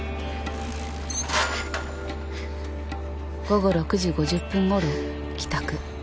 午後６時５０分ごろ帰宅。